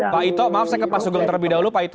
pak ito maaf saya ke pak sugeng terlebih dahulu pak ito